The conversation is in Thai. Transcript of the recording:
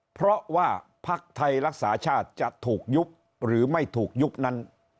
เพราะว่าภักดิ์ไทยรักษาชาติจะถูกยุบหรือไม่ถูกยุบนั้น